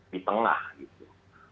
di tengah gitu